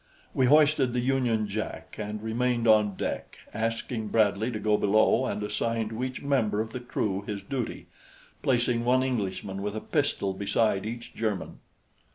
We hoisted the Union Jack and remained on deck, asking Bradley to go below and assign to each member of the crew his duty, placing one Englishman with a pistol beside each German.